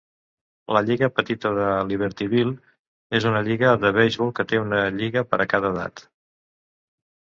La Lliga Petita de Libertyville és una lliga de beisbol que té una lliga per a cada edat.